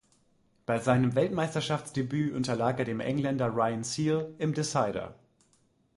Bei seinem Weltmeisterschaftsdebüt unterlag er dem Engländer Ryan Searle im Decider.